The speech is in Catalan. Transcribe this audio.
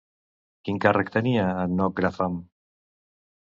Quin càrrec tenia a Knockgraffan?